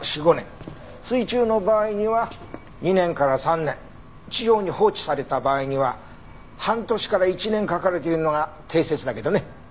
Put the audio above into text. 水中の場合には２年から３年地上に放置された場合には半年から１年かかるというのが定説だけどね。